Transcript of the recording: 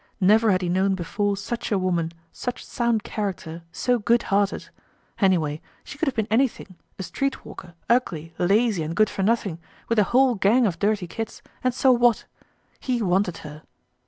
Never had he known before such a woman, such sound character, so good hearted. Anyway, she could have been anything, a streetwalker, ugly, lazy and good for nothing, with a whole gang of dirty kids, and so what? He wanted her.